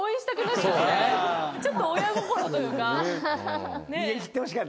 ちょっと親心というか。